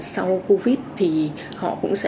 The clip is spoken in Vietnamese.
sau covid thì họ cũng sẽ